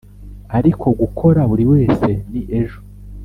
ariko gukora, buri wese ni ejo